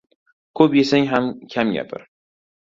• Ko‘p yesang ham kam gapir.